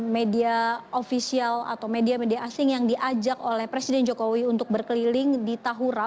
media ofisial atau media media asing yang diajak oleh presiden jokowi untuk berkeliling di tahura